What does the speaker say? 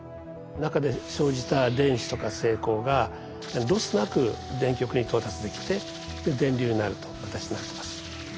中で生じた電子とか正孔がロスなく電極に到達できて電流になるという形になってます。